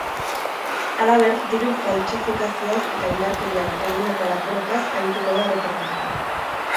Halaber, diru faltsifikazioaz eta indarkeriaz egindako lapurretaz arituko da erreportajea.